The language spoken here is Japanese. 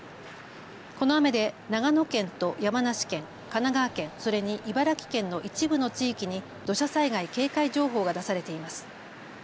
この雨で長野県と山梨県、神奈川県、それに茨城県の一部の地域に土砂災害警戒情報が出されています。